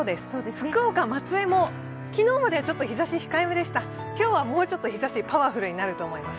福岡、松江も昨日まで日ざし控えめでしたが、今日はもうちょっと日ざしがパワフルになると思います。